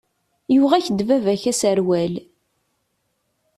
Yuɣ-ak-d baba-k aserwal.